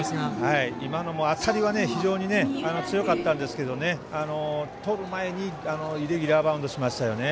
今のも、当たりは非常に強かったんですけどとる前に、イレギュラーバウンドしましたよね。